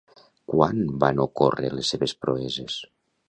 Quan van ocórrer les seves proeses?